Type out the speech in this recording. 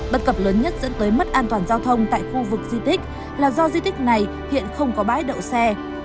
bất cập lớn nhất dẫn tới mất an toàn giao thông tại khu vực di tích là do di tích này hiện không có bãi đậu xe